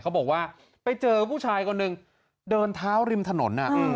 เขาบอกว่าไปเจอผู้ชายคนหนึ่งเดินเท้าริมถนน